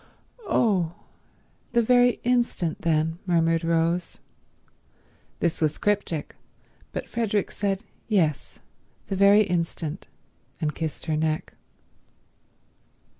"Oh—the very instant then," murmured Rose. This was cryptic, but Frederick said, "Yes, the very instant," and kissed her neck.